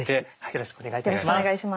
よろしくお願いします。